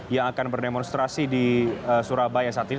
yang akan berdemonstrasi di surabaya saat ini